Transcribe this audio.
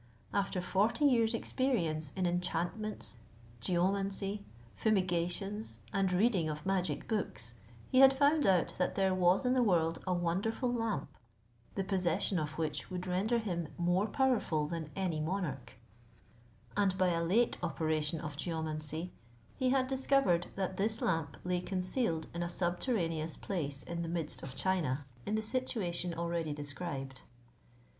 After forty years' experience in enchantments, geomancy, fumigations, and reading of magic books, he had found out that there was in the world a wonderful lamp, the possession of which would render him more powerful than any monarch; and by a late operation of geomancy, he had discovered that this lamp lay concealed in a subterraneous place in the midst of China, in the situation already described.